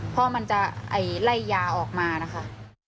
เพราะมันจะไล่ยาออกมานะคะ